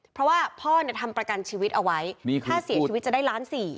เพราะว่าพ่อเนี่ยทำประกันชีวิตเอาไว้ถ้าเสียชีวิตจะได้ล้านสี่